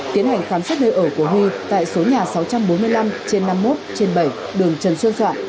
tiến hành khám xét nơi ở của huy tại số nhà sáu trăm bốn mươi năm trên năm mươi một trên bảy đường trần xuân soạn